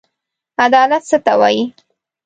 عدالت څه ته وايي؟